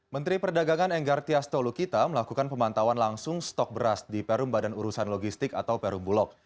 menteri perdagangan enggar tias tolukita melakukan pemantauan langsung stok beras di perum badan urusan logistik atau perum bulog